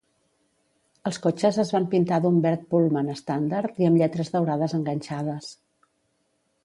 Els cotxes es van pintar d'un verd Pullman estàndard i amb lletres daurades enganxades.